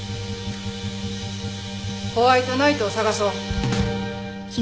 ホワイトナイトを探そう。